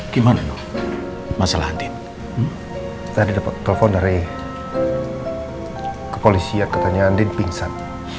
gimana masalah andi tadi dapat telepon dari kepolisian katanya andin pingsan